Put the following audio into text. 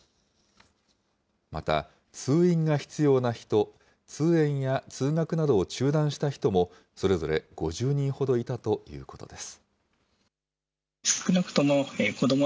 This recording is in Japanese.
また通院が必要な人、通園や通学などを中断した人もそれぞれ５０人ほどいたということです。